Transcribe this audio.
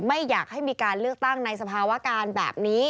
ไม่อยากให้มีการเลือกตั้งในสภาวะการแบบนี้